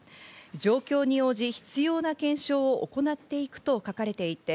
状況に応じ必要な検証を行っていくと書かれていて、